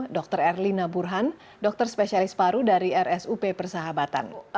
dr erlina burhan dokter spesialis paru dari rsup persahabatan